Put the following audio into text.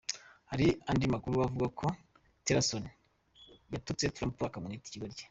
Hari andi makuru avuga ko Tillerson yatutse Trump akamwita ikigoryi.